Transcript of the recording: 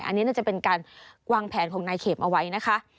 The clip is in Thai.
อันนี้น่าจะเป็นการวางแผนของนายเข็มเอาไว้นะคะ